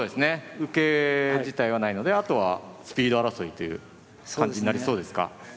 受け自体はないのであとはスピード争いという感じになりそうですか。